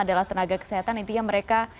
adalah tenaga kesehatan intinya mereka